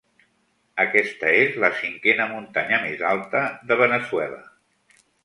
Aquesta és la cinquena muntanya més alta de Veneçuela.